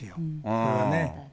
これはね。